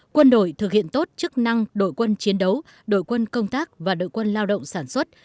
quân đội thực hiện tốt chức năng đội quân chiến đấu đội quân công tác và đội quân lao động sản xuất